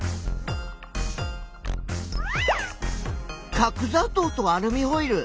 角ざとうとアルミホイル。